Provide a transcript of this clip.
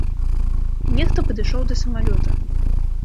Нехта падышоў да самалёта.